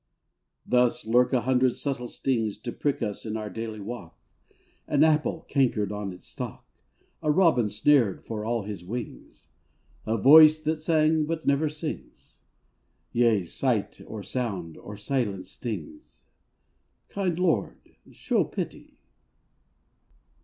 169 Thus lurk a hundred subtle stings To prick us in our daily walk: An apple cankered on its stalk, A robin snared for all his wings, A voice that sang but never sings; Yea, sight or sound or silence stings Kind Lord, show pity.